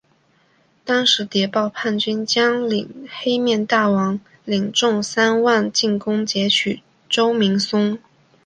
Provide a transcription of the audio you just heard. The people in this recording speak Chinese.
当时谍报叛军将领黑面大王领众三万进攻截取周明松。